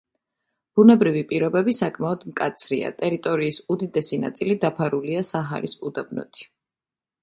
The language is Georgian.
ბუნებრივი პირობები საკმაოდ მკაცრია, ტერიტორიის უდიდესი ნაწილი დაფარულია საჰარის უდაბნოთი.